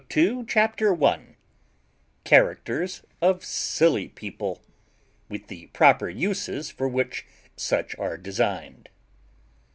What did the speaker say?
BOOK II CHAPTER ONE CHARACTERS OF SILLY PEOPLE, WITH THE PROPER USES FOR WHICH SUCH ARE DESIGNED.